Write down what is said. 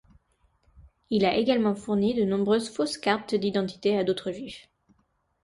Il a également fourni de nombreuses fausses cartes d’identité à d’autres juifs.